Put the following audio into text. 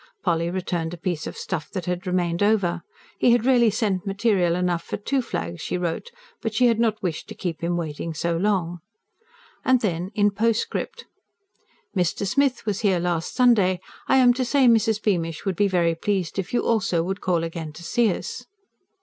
Polly returned a piece of stuff that had remained over. He had really sent material enough for two flags, she wrote; but she had not wished to keep him waiting so long. And then, in a postscript: MR. SMITH WAS HERE LAST SUNDAY. I AM TO SAY MRS. BEAMISH WOULD BE VERY PLEASED IF YOU ALSO WOULD CALL AGAIN TO SEE US.